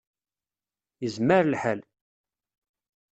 Yezmer lḥal.